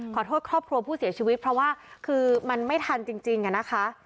ขอโทษครอบครัวผู้เสียชีวิตเพราะว่าคือมันไม่ทันจริงอะนะคะ